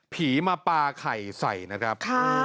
ผีมาปลาไข่ใส่นะครับ